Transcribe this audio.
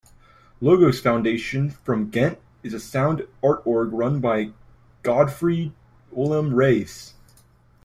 Logos Foundation from Ghent is a sound art org run by Godfried-Willem Raes.